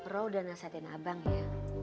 roh udah nasihatin abang ya